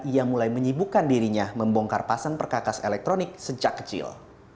ia mulai menyibukkan dirinya membongkar pasang perkakas elektronik sejak kecil